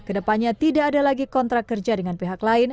kedepannya tidak ada lagi kontrak kerja dengan pihak lain